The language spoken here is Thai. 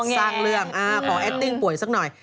สร้างเรื่องขอแอคติ้งป่วยสักหน่อย